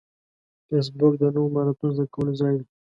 فېسبوک د نوو مهارتونو زده کولو ځای دی